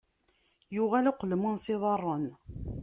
Yuɣal uqelmun s iḍaṛṛen.